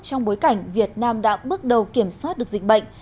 trong bối cảnh việt nam đã bước đầu kiểm soát được dịch bệnh